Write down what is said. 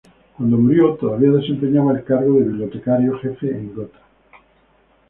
Cuando murió todavía desempeñaba el cargo de bibliotecario jefe en Gotha.